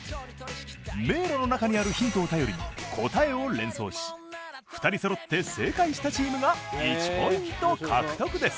迷路の中にあるヒントを頼りに答えを連想し２人そろって正解したチームが１ポイント獲得です。